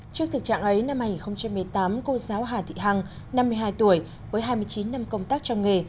trước thực trạng ấy năm hai nghìn một mươi tám cô giáo hà thị hằng năm mươi hai tuổi với hai mươi chín năm công tác trong nghề